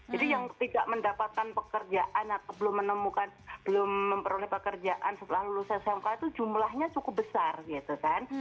jadi yang tidak mendapatkan pekerjaan atau belum menemukan belum memperoleh pekerjaan setelah lulusan smk itu jumlahnya cukup besar gitu kan